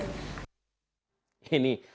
ini yang membuat saya gatal untuk